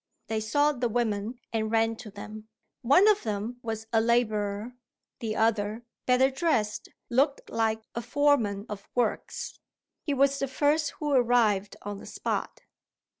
They saw the women, and ran to them. One of the men was a labourer; the other, better dressed, looked like a foreman of works. He was the first who arrived on the spot.